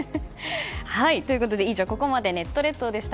ということで、以上ここまでネット列島でした。